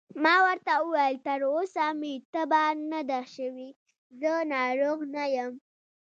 ما ورته وویل: تر اوسه مې تبه نه ده شوې، زه ناروغ نه یم.